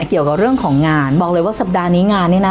เกี่ยวกับเรื่องของงานบอกเลยว่าสัปดาห์นี้งานเนี่ยนะ